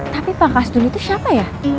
tapi pak kastun itu siapa ya